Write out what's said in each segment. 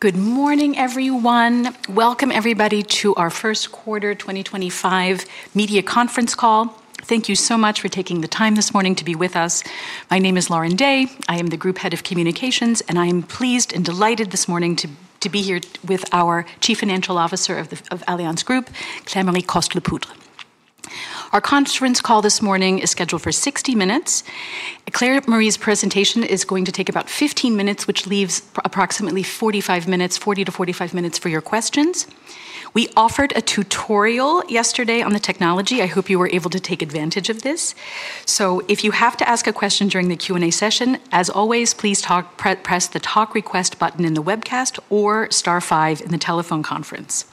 Good morning, everyone. Welcome, everybody, to our first quarter 2025 media conference call. Thank you so much for taking the time this morning to be with us. My name is Lauren Day. I am the Group Head of Communications, and I am pleased and delighted this morning to be here with our Chief Financial Officer of Allianz Group, Claire-Marie Coste-Lepoutre. Our conference call this morning is scheduled for 60 minutes. Claire-Marie's presentation is going to take about 15 minutes, which leaves approximately 45 minutes, 40 to 45 minutes for your questions. We offered a tutorial yesterday on the technology. I hope you were able to take advantage of this. If you have to ask a question during the Q&A session, as always, please press the talk request button in the webcast or star five in the telephone conference.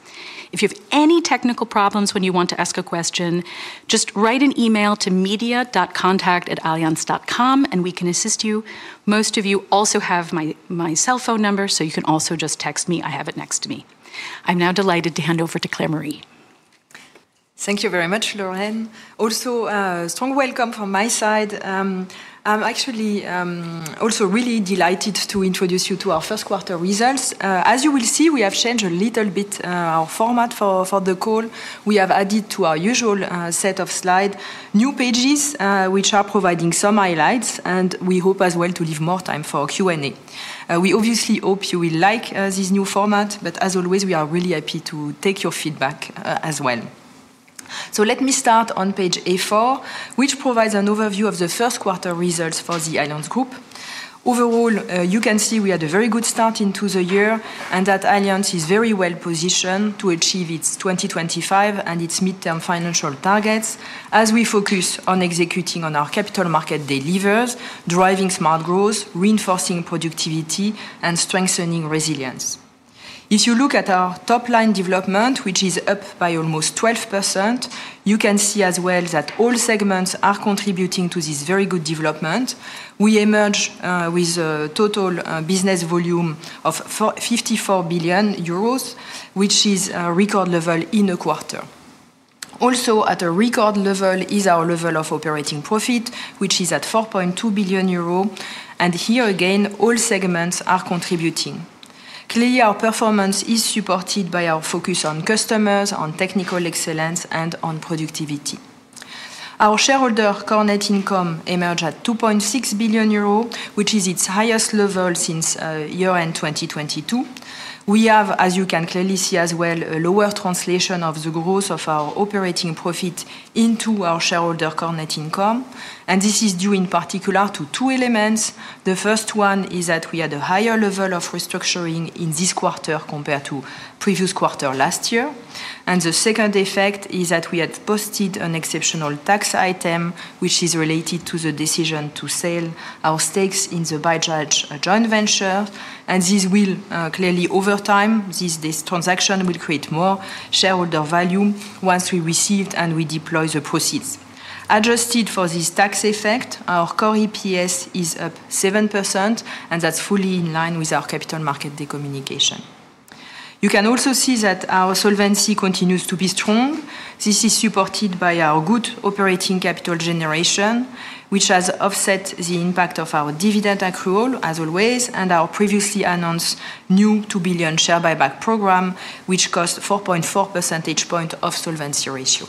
If you have any technical problems when you want to ask a question, just write an email to media.contact@allianz.com, and we can assist you. Most of you also have my cell phone number, so you can also just text me. I have it next to me. I'm now delighted to hand over to Claire-Marie. Thank you very much, Lauren. Also, a strong welcome from my side. I'm actually also really delighted to introduce you to our first quarter results. As you will see, we have changed a little bit our format for the call. We have added to our usual set of slides new pages, which are providing some highlights, and we hope as well to leave more time for Q&A. We obviously hope you will like this new format, but as always, we are really happy to take your feedback as well. Let me start on page A4, which provides an overview of the first quarter results for the Allianz Group. Overall, you can see we had a very good start into the year and that Allianz is very well positioned to achieve its 2025 and its midterm financial targets as we focus on executing on our capital market delivers, driving smart growth, reinforcing productivity, and strengthening resilience. If you look at our top line development, which is up by almost 12%, you can see as well that all segments are contributing to this very good development. We emerge with a total business volume of 54 billion euros, which is a record level in a quarter. Also, at a record level is our level of operating profit, which is at 4.2 billion euro. Here again, all segments are contributing. Clearly, our performance is supported by our focus on customers, on technical excellence, and on productivity. Our shareholder net income emerged at 2.6 billion euro, which is its highest level since year-end 2022. We have, as you can clearly see as well, a lower translation of the growth of our operating profit into our shareholder net income. This is due in particular to two elements. The first one is that we had a higher level of restructuring in this quarter compared to the previous quarter last year. The second effect is that we had posted an exceptional tax item, which is related to the decision to sell our stakes in the Bajaj joint venture. This will clearly, over time, this transaction will create more shareholder value once we receive and we deploy the proceeds. Adjusted for this tax effect, our core EPS is up 7%, and that's fully in line with our capital market communication. You can also see that our solvency continues to be strong. This is supported by our good operating capital generation, which has offset the impact of our dividend accrual, as always, and our previously announced new 2 billion share buyback program, which costs 4.4 percentage points of solvency ratio.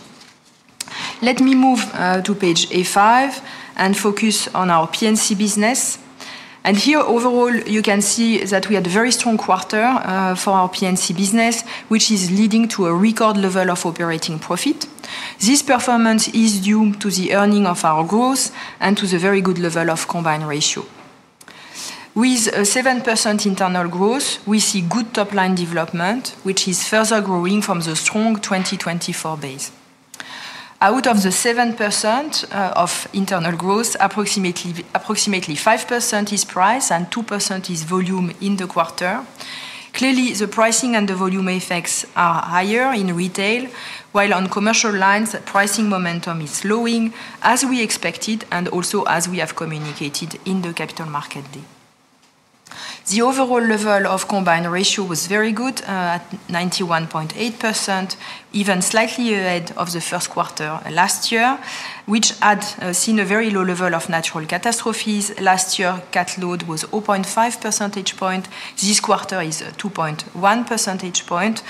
Let me move to page A5 and focus on our P&C business. Here, overall, you can see that we had a very strong quarter for our P&C business, which is leading to a record level of operating profit. This performance is due to the earning of our growth and to the very good level of combined ratio. With a 7% internal growth, we see good top line development, which is further growing from the strong 2024 base. Out of the 7% of internal growth, approximately 5% is price and 2% is volume in the quarter. Clearly, the pricing and the volume effects are higher in retail, while on commercial lines, pricing momentum is slowing, as we expected and also as we have communicated in the capital market day. The overall level of combined ratio was very good at 91.8%, even slightly ahead of the first quarter last year, which had seen a very low level of natural catastrophes. Last year, cut load was 0.5 percentage points. This quarter is 2.1 percentage points.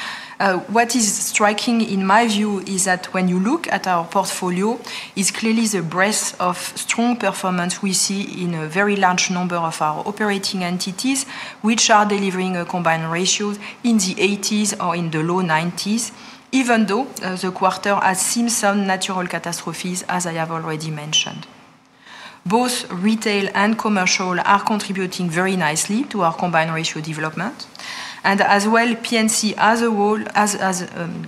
What is striking, in my view, is that when you look at our portfolio, it is clearly the breadth of strong performance we see in a very large number of our operating entities, which are delivering a combined ratio in the 80s or in the low 90s, even though the quarter has seen some natural catastrophes, as I have already mentioned. Both retail and commercial are contributing very nicely to our combined ratio development. P&C as a whole,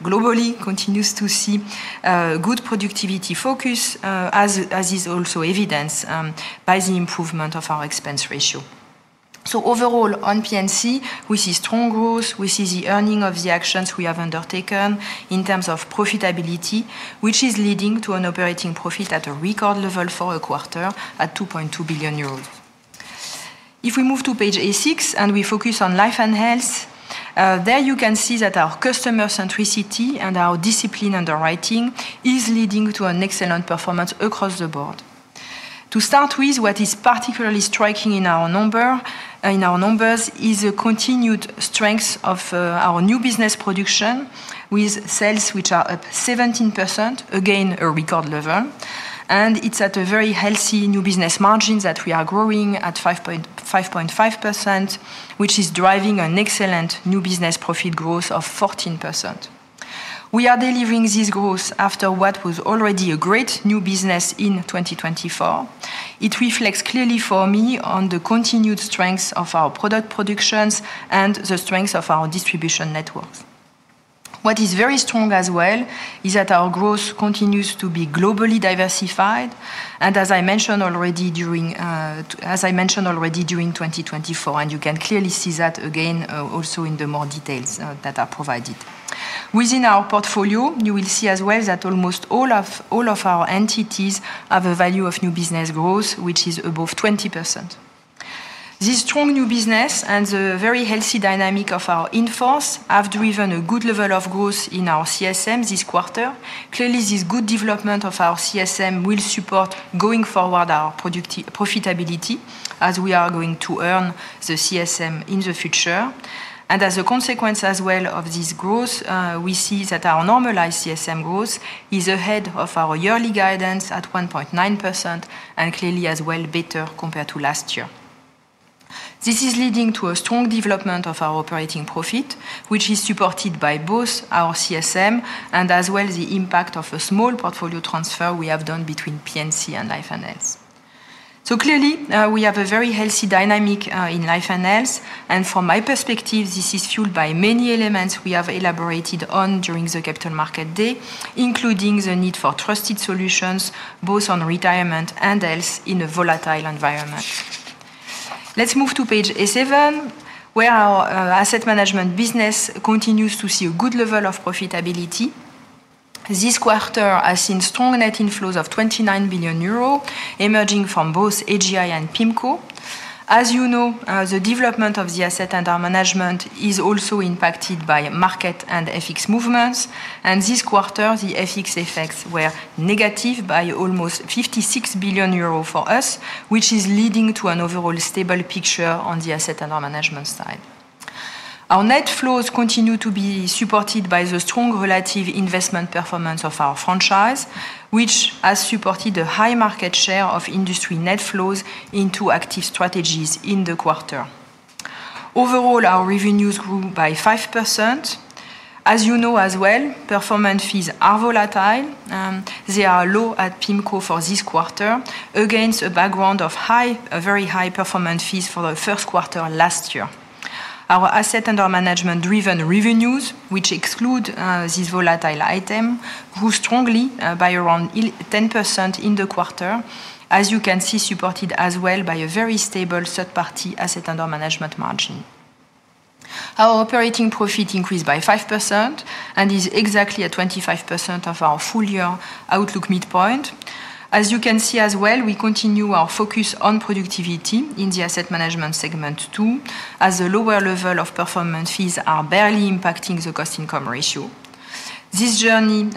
globally, continues to see good productivity focus, as is also evidenced by the improvement of our expense ratio. Overall, on P&C, we see strong growth. We see the earning of the actions we have undertaken in terms of profitability, which is leading to an operating profit at a record level for a quarter at 2.2 billion euros. If we move to page A6 and we focus on life and health, there you can see that our customer centricity and our discipline underwriting is leading to an excellent performance across the board. To start with, what is particularly striking in our numbers is the continued strength of our new business production, with sales which are up 17%, again, a record level. It is at a very healthy new business margin that we are growing at 5.5%, which is driving an excellent new business profit growth of 14%. We are delivering this growth after what was already a great new business in 2024. It reflects clearly for me on the continued strength of our product productions and the strength of our distribution networks. What is very strong as well is that our growth continues to be globally diversified, as I mentioned already during 2024, and you can clearly see that again also in the more details that are provided. Within our portfolio, you will see as well that almost all of our entities have a value of new business growth, which is above 20%. This strong new business and the very healthy dynamic of our inforce have driven a good level of growth in our CSM this quarter. Clearly, this good development of our CSM will support going forward our profitability as we are going to earn the CSM in the future. As a consequence as well of this growth, we see that our normalized CSM growth is ahead of our yearly guidance at 1.9% and clearly as well better compared to last year. This is leading to a strong development of our operating profit, which is supported by both our CSM and as well the impact of a small portfolio transfer we have done between P&C and Life and Health. Clearly, we have a very healthy dynamic in Life and Health, and from my perspective, this is fueled by many elements we have elaborated on during the capital market day, including the need for trusted solutions both on retirement and health in a volatile environment. Let's move to page A7, where our asset management business continues to see a good level of profitability. This quarter has seen strong net inflows of 29 billion euro emerging from both AGI and PIMCO. As you know, the development of the asset under management is also impacted by market and FX movements, and this quarter, the FX effects were negative by almost 56 billion euros for us, which is leading to an overall stable picture on the asset under management side. Our net flows continue to be supported by the strong relative investment performance of our franchise, which has supported a high market share of industry net flows into active strategies in the quarter. Overall, our revenues grew by 5%. As you know as well, performance fees are volatile. They are low at PIMCO for this quarter against a background of very high performance fees for the first quarter last year. Our asset under management-driven revenues, which exclude this volatile item, grew strongly by around 10% in the quarter, as you can see supported as well by a very stable third-party asset under management margin. Our operating profit increased by 5% and is exactly at 25% of our full-year outlook midpoint. As you can see as well, we continue our focus on productivity in the asset management segment too, as the lower level of performance fees are barely impacting the cost-income ratio. This journey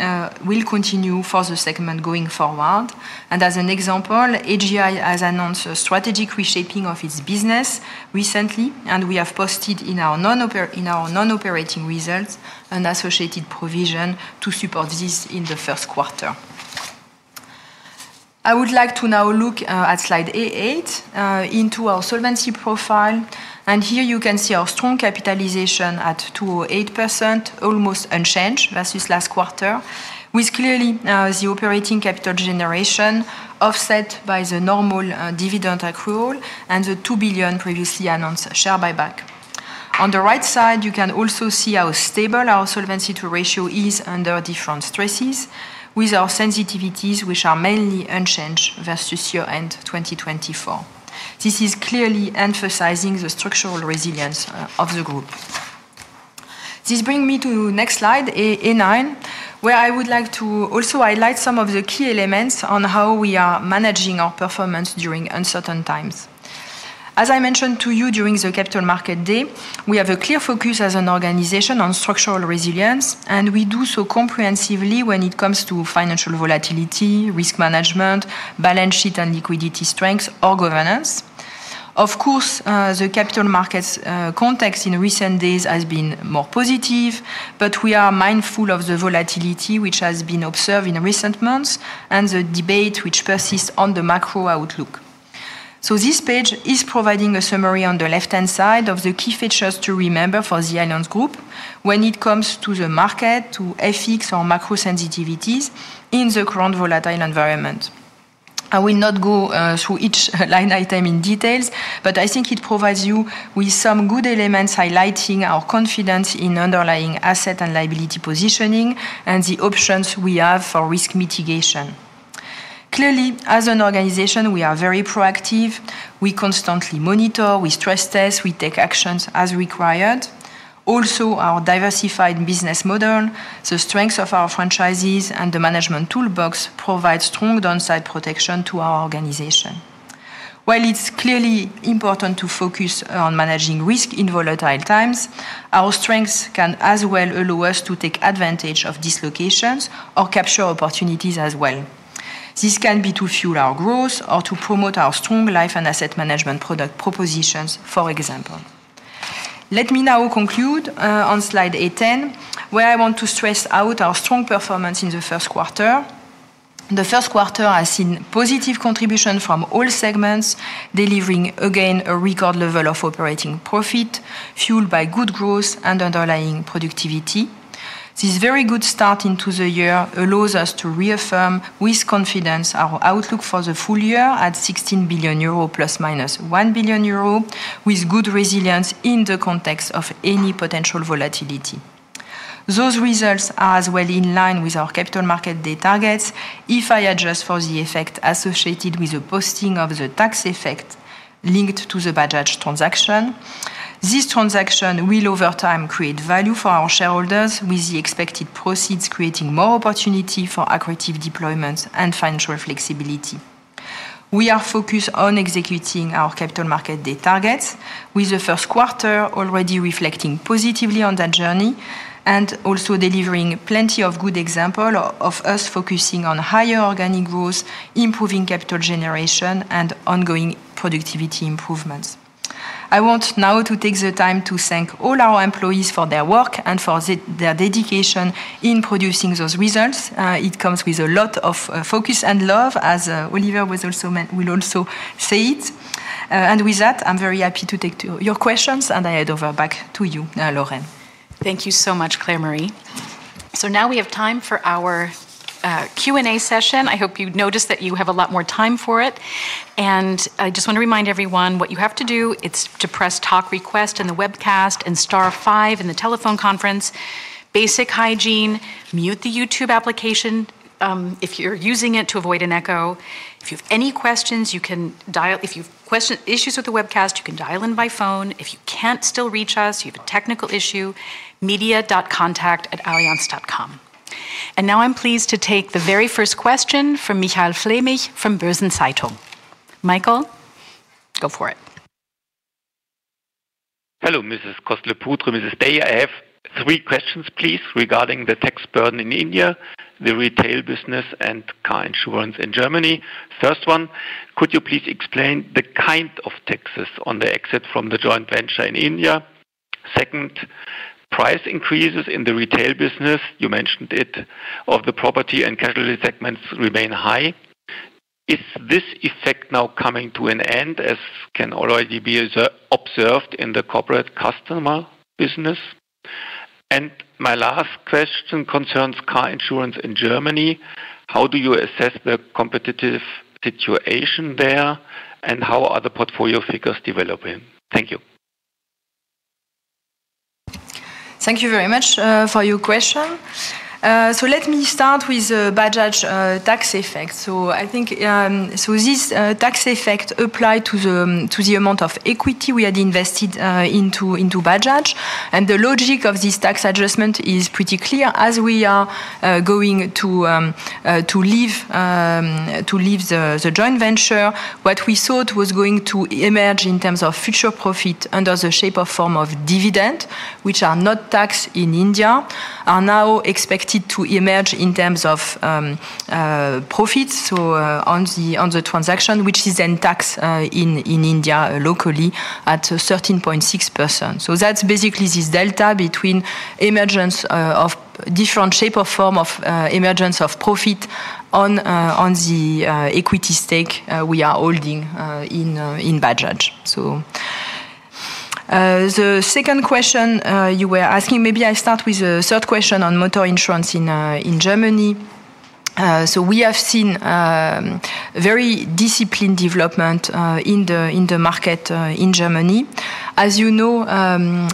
will continue for the segment going forward. As an example, AGI has announced a strategic reshaping of its business recently, and we have posted in our non-operating results an associated provision to support this in the first quarter. I would like to now look at slide A8 into our solvency profile. Here you can see our strong capitalization at 208%, almost unchanged versus last quarter, with clearly the operating capital generation offset by the normal dividend accrual and the 2 billion previously announced share buyback. On the right side, you can also see how stable our solvency ratio is under different stresses, with our sensitivities, which are mainly unchanged versus year-end 2024. This is clearly emphasizing the structural resilience of the group. This brings me to the next slide, A9, where I would like to also highlight some of the key elements on how we are managing our performance during uncertain times. As I mentioned to you during the capital market day, we have a clear focus as an organization on structural resilience, and we do so comprehensively when it comes to financial volatility, risk management, balance sheet, and liquidity strength or governance. Of course, the capital markets context in recent days has been more positive, but we are mindful of the volatility which has been observed in recent months and the debate which persists on the macro outlook. This page is providing a summary on the left-hand side of the key features to remember for the Allianz Group when it comes to the market, to FX or macro sensitivities in the current volatile environment. I will not go through each line item in detail, but I think it provides you with some good elements highlighting our confidence in underlying asset and liability positioning and the options we have for risk mitigation. Clearly, as an organization, we are very proactive. We constantly monitor, we stress test, we take actions as required. Also, our diversified business model, the strength of our franchises, and the management toolbox provide strong downside protection to our organization. While it's clearly important to focus on managing risk in volatile times, our strengths can as well allow us to take advantage of dislocations or capture opportunities as well. This can be to fuel our growth or to promote our strong life and asset management product propositions, for example. Let me now conclude on slide A10, where I want to stress out our strong performance in the first quarter. The first quarter has seen positive contribution from all segments, delivering again a record level of operating profit fueled by good growth and underlying productivity. This very good start into the year allows us to reaffirm with confidence our outlook for the full year at 16 billion euro plus minus 1 billion euro, with good resilience in the context of any potential volatility. Those results are as well in line with our capital market day targets. If I adjust for the effect associated with the posting of the tax effect linked to the by-charge transaction, this transaction will over time create value for our shareholders, with the expected proceeds creating more opportunity for accurate deployment and financial flexibility. We are focused on executing our capital market day targets, with the first quarter already reflecting positively on that journey and also delivering plenty of good examples of us focusing on higher organic growth, improving capital generation, and ongoing productivity improvements. I want now to take the time to thank all our employees for their work and for their dedication in producing those results. It comes with a lot of focus and love, as Oliver will also say it. With that, I'm very happy to take your questions, and I hand over back to you, Lauren. Thank you so much, Claire-Marie. Now we have time for our Q&A session. I hope you noticed that you have a lot more time for it. I just want to remind everyone what you have to do. It is to press talk request in the webcast and star five in the telephone conference. Basic hygiene. Mute the YouTube application if you are using it to avoid an echo. If you have any questions, you can dial in. If you have issues with the webcast, you can dial in by phone. If you still cannot reach us, you have a technical issue, media.contact@allianz.com. Now I am pleased to take the very first question from Michael Flämig from Börsenzeitung. Michael, go for it. Hello, Mrs. Coste-Lepoutre, Mrs. Bayer. I have three questions, please, regarding the tax burden in India, the retail business, and car insurance in Germany. First one, could you please explain the kind of taxes on the exit from the joint venture in India? Second, price increases in the retail business, you mentioned it, of the property and casualty segments remain high. Is this effect now coming to an end, as can already be observed in the corporate customer business? My last question concerns car insurance in Germany. How do you assess the competitive situation there, and how are the portfolio figures developing? Thank you. Thank you very much for your question. Let me start with the Bajaj tax effect. I think this tax effect applies to the amount of equity we had invested into Bajaj. The logic of this tax adjustment is pretty clear. As we are going to leave the joint venture, what we thought was going to emerge in terms of future profit under the shape or form of dividend, which are not taxed in India, are now expected to emerge in terms of profit on the transaction, which is then taxed in India locally at 13.6%. That is basically this delta between emergence of different shape or form of emergence of profit on the equity stake we are holding in Bajaj Allianz. The second question you were asking, maybe I start with the third question on motor insurance in Germany. We have seen very disciplined development in the market in Germany. As you know, there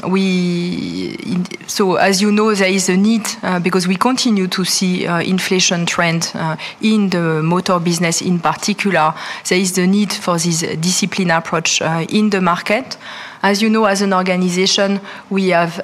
is a need because we continue to see inflation trends in the motor business in particular. There is the need for this disciplined approach in the market. As you know, as an organization, we have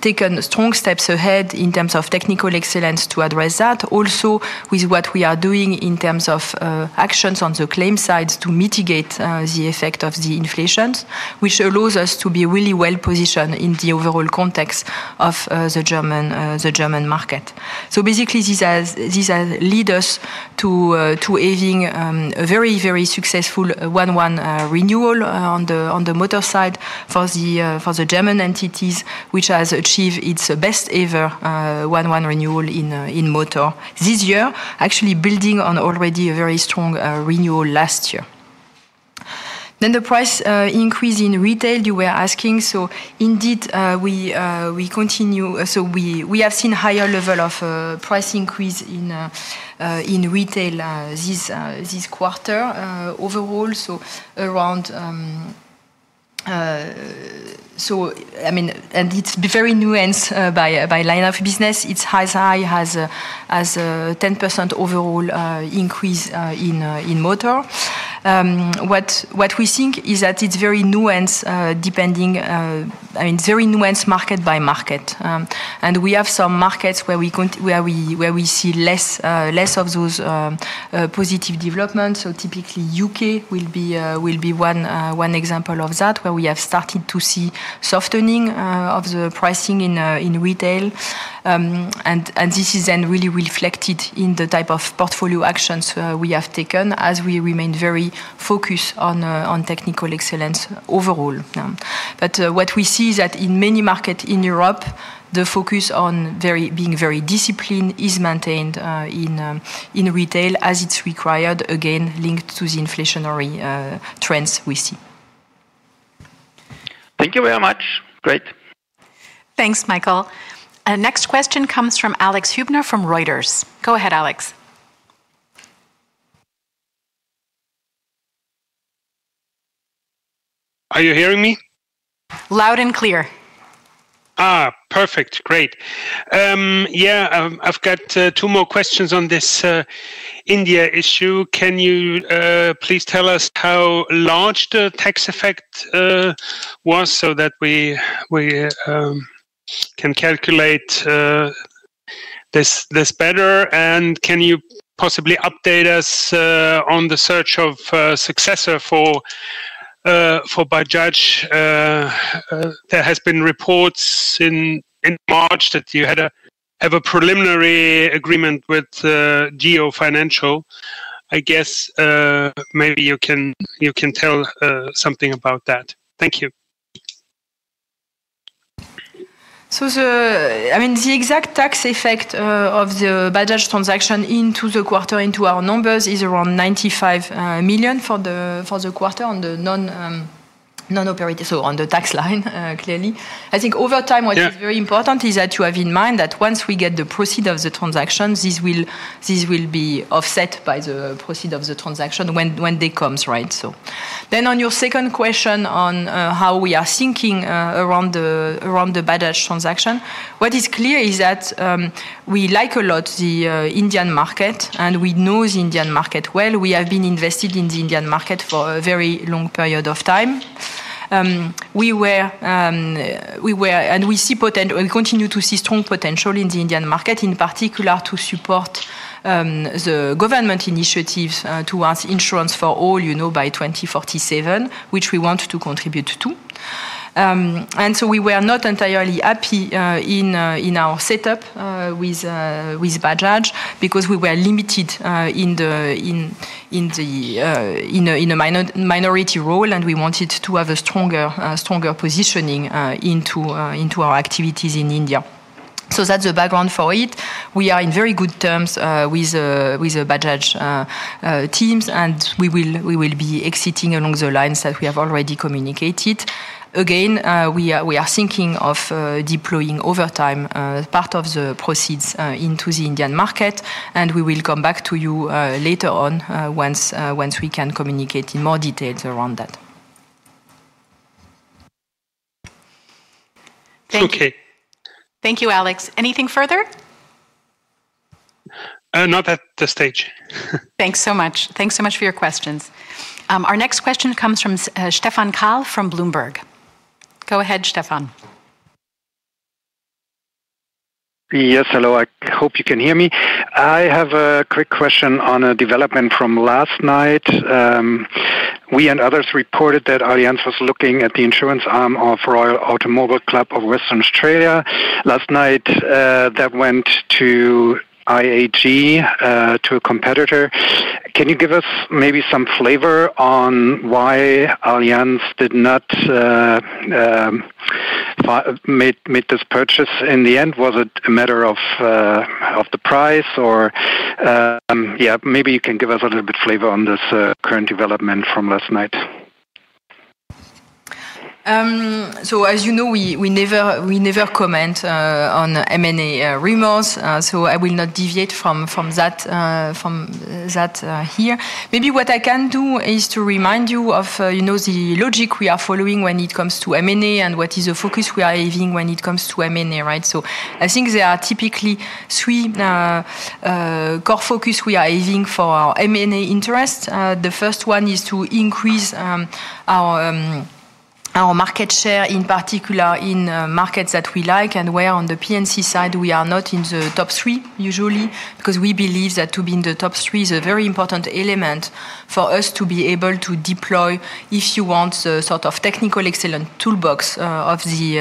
taken strong steps ahead in terms of technical excellence to address that, also with what we are doing in terms of actions on the claim sides to mitigate the effect of the inflations, which allows us to be really well positioned in the overall context of the German market. Basically, these lead us to having a very, very successful one-on-one renewal on the motor side for the German entities, which has achieved its best-ever one-on-one renewal in motor this year, actually building on already a very strong renewal last year. The price increase in retail, you were asking. Indeed, we continue to see a higher level of price increase in retail this quarter overall. I mean, and it is very nuanced by line of business. Its high is a 10% overall increase in motor. What we think is that it's very nuanced, depending on very nuanced market by market. We have some markets where we see less of those positive developments. Typically, U.K. will be one example of that, where we have started to see softening of the pricing in retail. This is then really reflected in the type of portfolio actions we have taken as we remain very focused on technical excellence overall. What we see is that in many markets in Europe, the focus on being very disciplined is maintained in retail as it's required, again, linked to the inflationary trends we see. Thank you very much. Great. Thanks, Michael. Next question comes from Alex Hubner from Reuters. Go ahead, Alex. Are you hearing me? Loud and clear. Perfect. Great. Yeah, I've got two more questions on this India issue. Can you please tell us how large the tax effect was so that we can calculate this better? Can you possibly update us on the search of successor for Bajaj? There have been reports in March that you have a preliminary agreement with GEO Financial. I guess maybe you can tell something about that. Thank you. I mean, the exact tax effect of the Bajaj transaction into the quarter into our numbers is around 95 million for the quarter on the non-operating, so on the tax line, clearly. I think over time, what is very important is that you have in mind that once we get the proceed of the transaction, this will be offset by the proceed of the transaction when day comes, right? On your second question on how we are thinking around the Bajaj transaction, what is clear is that we like a lot the Indian market, and we know the Indian market well. We have been invested in the Indian market for a very long period of time. We see potential, we continue to see strong potential in the Indian market, in particular to support the government initiatives towards insurance for all by 2047, which we want to contribute to. We were not entirely happy in our setup with Bajaj because we were limited in the minority role, and we wanted to have a stronger positioning into our activities in India. That is the background for it. We are in very good terms with the Bajaj teams, and we will be exiting along the lines that we have already communicated. Again, we are thinking of deploying over time part of the proceeds into the Indian market, and we will come back to you later on once we can communicate in more details around that. Thank you. Thank you, Alex. Anything further? Not at this stage. Thanks so much. Thanks so much for your questions. Our next question comes from Stephan Kahl from Bloomberg. Go ahead, Stephan. Yes, hello. I hope you can hear me. I have a quick question on a development from last night. We and others reported that Allianz was looking at the insurance arm of Royal Automobile Club of Western Australia. Last night, that went to IAG, to a competitor. Can you give us maybe some flavor on why Allianz did not make this purchase in the end? Was it a matter of the price? Yeah, maybe you can give us a little bit of flavor on this current development from last night. As you know, we never comment on M&A rumors, so I will not deviate from that here. Maybe what I can do is to remind you of the logic we are following when it comes to M&A and what is the focus we are having when it comes to M&A, right? I think there are typically three core focuses we are having for our M&A interests. The first one is to increase our market share, in particular in markets that we like and where on the P&C side, we are not in the top three usually because we believe that to be in the top three is a very important element for us to be able to deploy, if you want, the sort of technical excellence toolbox of the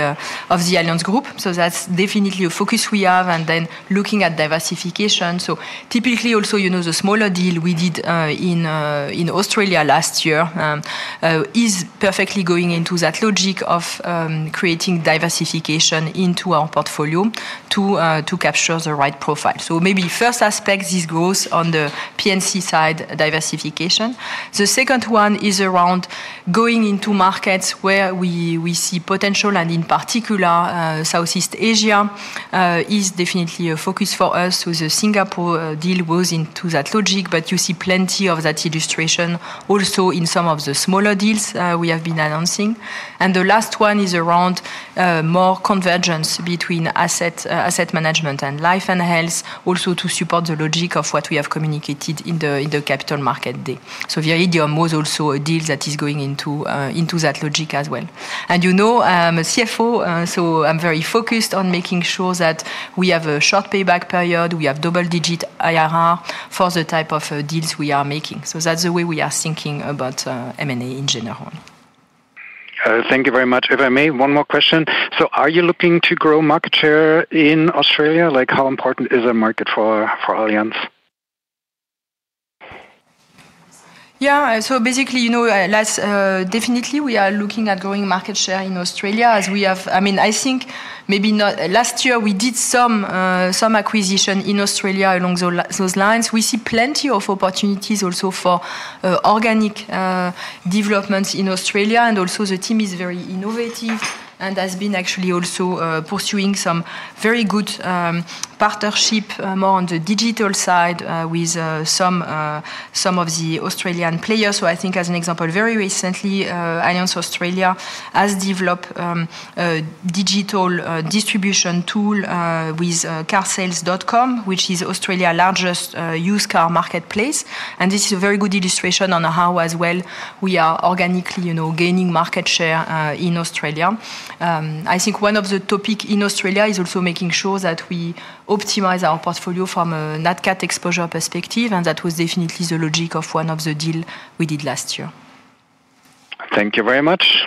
Allianz Group. That is definitely a focus we have. Then looking at diversification. Typically, also, the smaller deal we did in Australia last year is perfectly going into that logic of creating diversification into our portfolio to capture the right profile. Maybe first aspect, this goes on the P&C side diversification. The second one is around going into markets where we see potential, and in particular, Southeast Asia is definitely a focus for us. The Singapore deal goes into that logic, but you see plenty of that illustration also in some of the smaller deals we have been announcing. The last one is around more convergence between asset management and life and health, also to support the logic of what we have communicated in the capital market day. Viridium was also a deal that is going into that logic as well. You know, as a CFO, I'm very focused on making sure that we have a short payback period. We have double-digit IRR for the type of deals we are making. That's the way we are thinking about M&A in general. Thank you very much. If I may, one more question. Are you looking to grow market share in Australia? How important is a market for Allianz? Yeah, so basically, definitely, we are looking at growing market share in Australia as we have. I mean, I think maybe last year, we did some acquisition in Australia along those lines. We see plenty of opportunities also for organic developments in Australia, and also the team is very innovative and has been actually also pursuing some very good partnership more on the digital side with some of the Australian players. I think, as an example, very recently, Allianz Australia has developed a digital distribution tool with carsales.com, which is Australia's largest used car marketplace. This is a very good illustration on how, as well, we are organically gaining market share in Australia. I think one of the topics in Australia is also making sure that we optimize our portfolio from a NatCat exposure perspective, and that was definitely the logic of one of the deals we did last year. Thank you very much.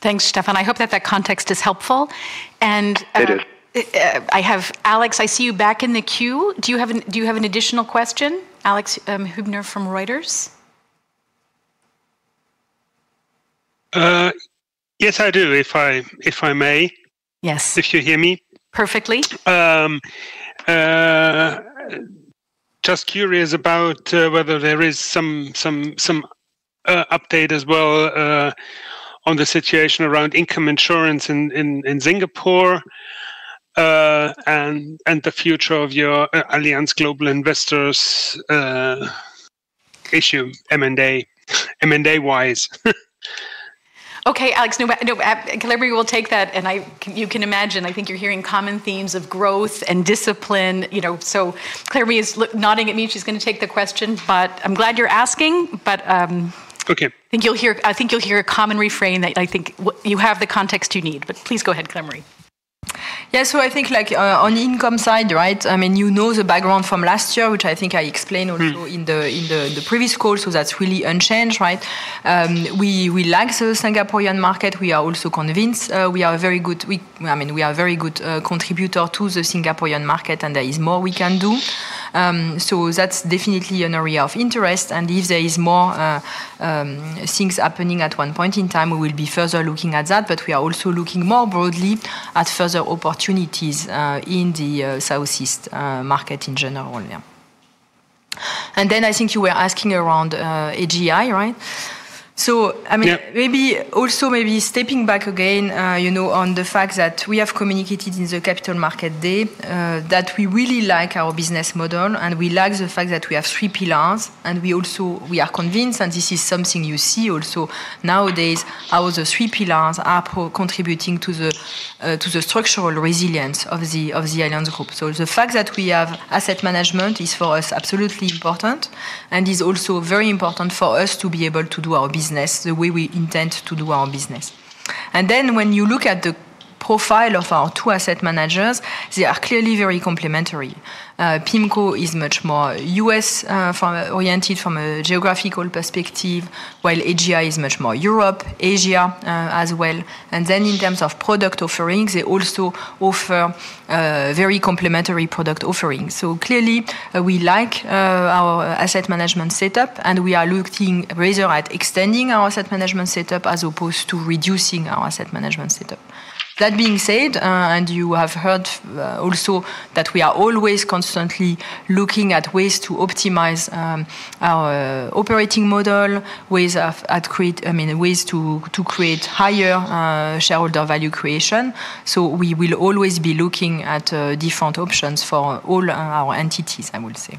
Thanks, Stefan. I hope that that context is helpful. I have Alex. I see you back in the queue. Do you have an additional question, Alex Hubner from Reuters? Yes, I do, if I may. Yes. If you hear me? Perfectly. Just curious about whether there is some update as well on the situation around income insurance in Singapore and the future of your Allianz Global Investors issue, M&A-wise. Okay, Alex, no problem. Claire-Marie will take that. You can imagine, I think you're hearing common themes of growth and discipline. Claire-Marie is nodding at me. She's going to take the question, but I'm glad you're asking. I think you'll hear a common refrain that I think you have the context you need. Please go ahead, Claire-Marie. Yes, I think on the income side, right? I mean, you know the background from last year, which I think I explained also in the previous call, so that's really unchanged, right? We like the Singaporean market. We are also convinced we are a very good, I mean, we are a very good contributor to the Singaporean market, and there is more we can do. That is definitely an area of interest. If there are more things happening at one point in time, we will be further looking at that. We are also looking more broadly at further opportunities in the Southeast market in general. I think you were asking around AGI, right? I mean, maybe also maybe stepping back again on the fact that we have communicated in the capital market day that we really like our business model and we like the fact that we have three pillars. We are convinced, and this is something you see also nowadays, how the three pillars are contributing to the structural resilience of the Allianz Group. The fact that we have asset management is for us absolutely important and is also very important for us to be able to do our business the way we intend to do our business. When you look at the profile of our two asset managers, they are clearly very complementary. PIMCO is much more US-oriented from a geographical perspective, while AGI is much more Europe, Asia as well. In terms of product offerings, they also offer very complementary product offerings. Clearly, we like our asset management setup, and we are looking rather at extending our asset management setup as opposed to reducing our asset management setup. That being said, and you have heard also that we are always constantly looking at ways to optimize our operating model with, I mean, ways to create higher shareholder value creation. We will always be looking at different options for all our entities, I would say.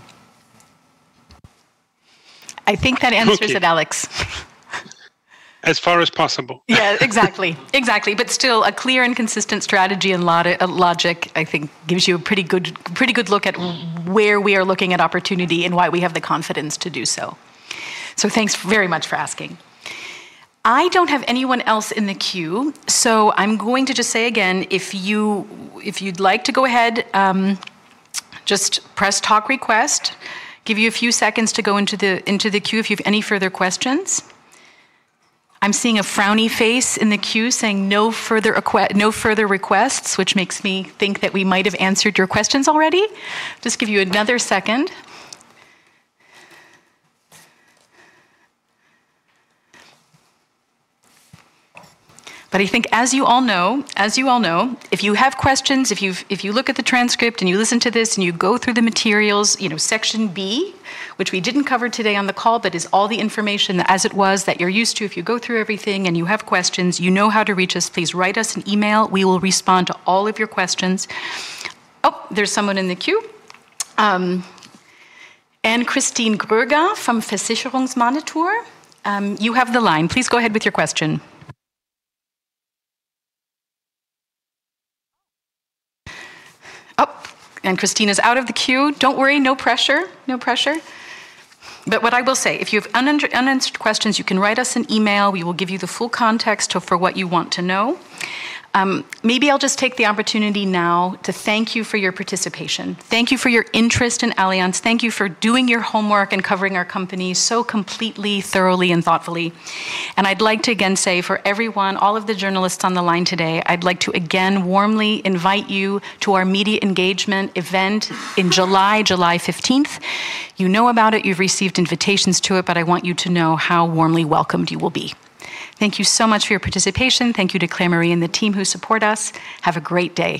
I think that answers it, Alex. As far as possible. Yeah, exactly. Exactly. Still, a clear and consistent strategy and logic, I think, gives you a pretty good look at where we are looking at opportunity and why we have the confidence to do so. Thanks very much for asking. I don't have anyone else in the queue, so I'm going to just say again, if you'd like to go ahead, just press talk request. Give you a few seconds to go into the queue if you have any further questions. I'm seeing a frowny face in the queue saying no further requests, which makes me think that we might have answered your questions already. Just give you another second. I think, as you all know, if you have questions, if you look at the transcript and you listen to this and you go through the materials, section B, which we didn't cover today on the call, but is all the information as it was that you're used to. If you go through everything and you have questions, you know how to reach us, please write us an email. We will respond to all of your questions. Oh, there's someone in the queue. Anne-Christine Gröger from Versicherungsmonitor. You have the line. Please go ahead with your question. Oh, Anne-Christine is out of the queue. No pressure, no pressure. If you have unanswered questions, you can write us an email. We will give you the full context for what you want to know. Maybe I'll just take the opportunity now to thank you for your participation. Thank you for your interest in Allianz. Thank you for doing your homework and covering our company so completely, thoroughly, and thoughtfully. I would like to again say, for everyone, all of the journalists on the line today, I would like to again warmly invite you to our media engagement event in July, July 15th. You know about it. You have received invitations to it, but I want you to know how warmly welcomed you will be. Thank you so much for your participation. Thank you to Claire-Marie and the team who support us. Have a great day.